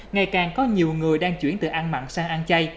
ngày càng có nhiều người đang chuyển từ ăn mặn sang ăn chay